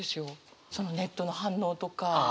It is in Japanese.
そのネットの反応とか。